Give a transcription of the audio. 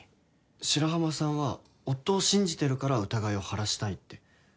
白浜さんは夫を信じてるから疑いを晴らしたいって。